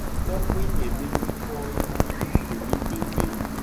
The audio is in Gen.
Togbe nye be nyiko ye nyi foli-bebe.